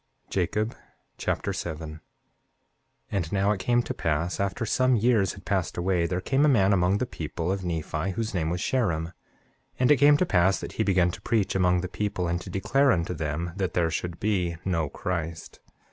Jacob Chapter 7 7:1 And now it came to pass after some years had passed away, there came a man among the people of Nephi, whose name was Sherem. 7:2 And it came to pass that he began to preach among the people, and to declare unto them that there should be no Christ.